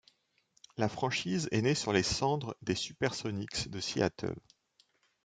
La franchise est née sur les cendres des Supersonics de Seattle.